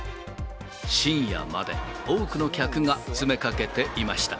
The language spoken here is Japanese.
深夜まで多くの客が詰めかけていました。